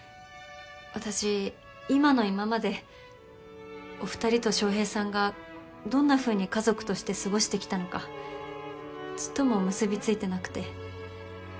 私今の今までお二人と翔平さんがどんなふうに家族として過ごしてきたのかちっとも結びついてなくて。